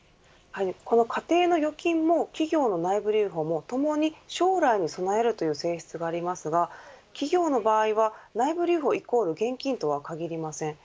家庭の預金も企業の内部留保もともに将来に備えるという性質がありますが企業の場合は、内部留保イコール現金とは限りません。